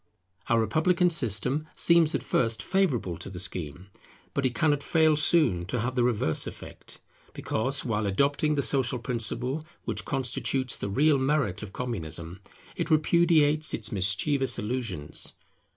Our republican system seems at first sight favourable to the scheme; but it cannot fail soon to have the reverse effect, because, while adopting the social principle which constitutes the real merit of Communism, it repudiates its mischievous illusions.